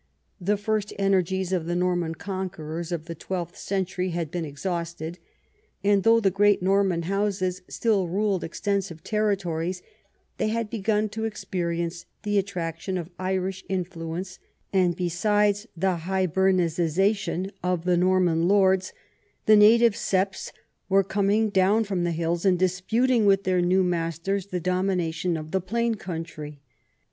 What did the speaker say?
The first energies of the Norman conquerors of the twelfth century had been exhausted, and, though the great Norman houses still ruled extensive territories, they had begun to experience the attraction of Irish influence, and besides the hibernicisation of the Norman lords, the native septs were coming down from the hills and disputing with their new masters the domination of the plain country.